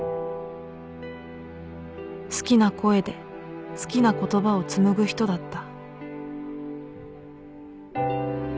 好きな声で好きな言葉をつむぐ人だった